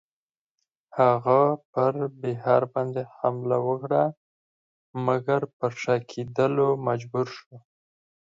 هغه پر بیهار باندی حمله وکړه مګر پر شا کېدلو مجبور شو.